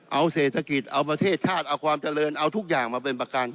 เอาเศรษฐกิจเอาประเทศชาติเอาความเจริญเอาทุกอย่างมาเป็นประกัน